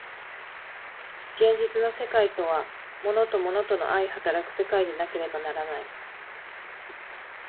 現実の世界とは物と物との相働く世界でなければならない。